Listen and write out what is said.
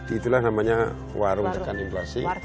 itulah namanya warung tekan inflasi